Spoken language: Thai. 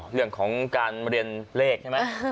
เรื่องของการเรียนเลขใช่ไหม